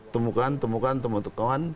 temukan temukan teman teman